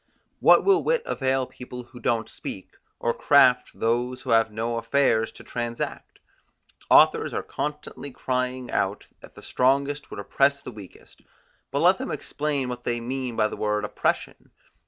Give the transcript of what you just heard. What will wit avail people who don't speak, or craft those who have no affairs to transact? Authors are constantly crying out, that the strongest would oppress the weakest; but let them explain what they mean by the word oppression.